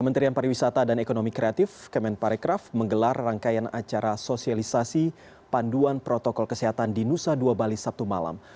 kementerian pariwisata dan ekonomi kreatif kemenparekraf menggelar rangkaian acara sosialisasi panduan protokol kesehatan di nusa dua bali sabtu malam